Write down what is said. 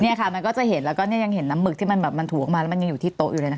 เนี่ยค่ะมันก็จะเห็นแล้วก็เนี่ยยังเห็นน้ำหมึกที่มันแบบมันถูออกมาแล้วมันยังอยู่ที่โต๊ะอยู่เลยนะคะ